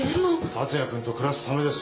達也君と暮らすためです！